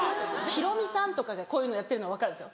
ヒロミさんとかがこういうのやってるのは分かるんですよ。